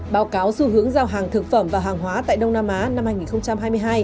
báo cáo xu hướng giao hàng thực phẩm và hàng hóa tại đông nam á năm hai nghìn hai mươi hai